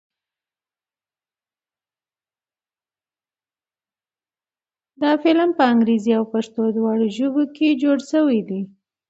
دا فلم په انګريزۍ او پښتو دواړو ژبو کښې جوړ شوے دے